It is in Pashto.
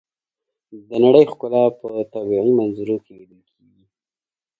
د نړۍ ښکلا په طبیعي منظرو کې لیدل کېږي.